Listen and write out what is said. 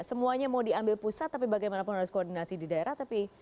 semuanya mau diambil pusat tapi bagaimanapun harus koordinasi di daerah tapi